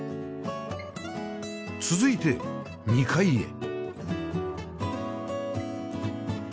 続いて２階へ